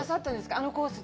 あのコースで？